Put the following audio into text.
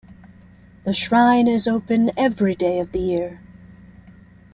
The shrine is open every day of the year.